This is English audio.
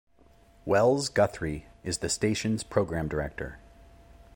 Wells Guthrie is the station's program director.